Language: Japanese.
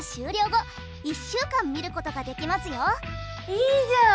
いいじゃん！